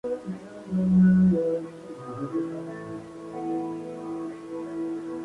Más tarde llegó a estudiar actuación con Lee Strasberg.